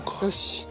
よし。